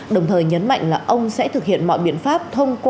đồng thời nhấn mạnh là ông sẽ thực hiện mọi biện pháp